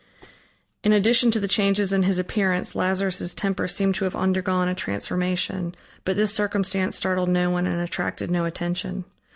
In addition to the changes in his appearance, Lazarus' temper seemed to have undergone a transformation, but this circumstance startled no one and attracted no attention.